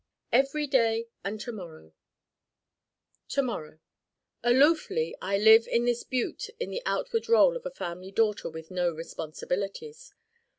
Everyday and to morrow To morrow Aloofly I live in this Butte in the outward rôle of a family daughter with no responsibilities.